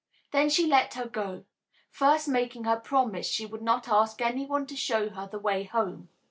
Then she let her go, first making her promise she would not ask any one to show her the way home.